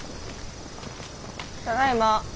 ただいま。